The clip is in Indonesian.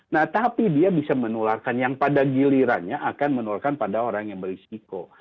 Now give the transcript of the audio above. nah tapi dia bisa menularkan yang pada gilirannya akan menularkan pada orang yang berisiko